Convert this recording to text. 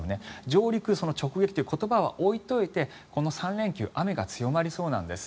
上陸、直撃という言葉は置いておいてこの３連休雨が強まりそうなんです。